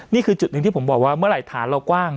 นี่คือจุดหนึ่งที่ผมบอกว่าเมื่อไหร่ฐานเรากว้าง